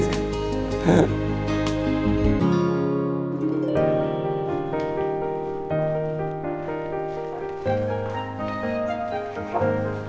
ya ampun om